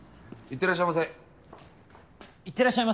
いってらっしゃいませ。